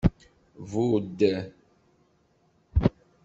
Budd.